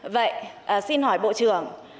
vậy xin hỏi bộ trưởng